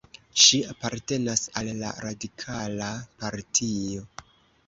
Ŝi apartenas al la radikala partio.